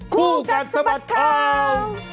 คู่กัดสะบัดข่าว